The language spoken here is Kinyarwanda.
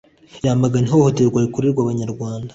yamagana ihohoterwa rikorerwa Abanyarwanda